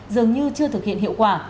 nhưng chưa thực hiện hiệu quả